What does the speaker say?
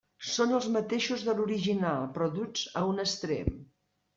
Són els mateixos de l'original, però duts a un extrem.